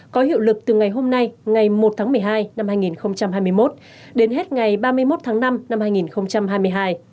có hiệu lực từ ngày hôm nay ngày một tháng một mươi hai năm hai nghìn hai mươi một đến hết ngày ba mươi một tháng năm năm hai nghìn hai mươi hai